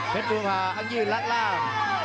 เพชรปุริภาพยังยี่รักราป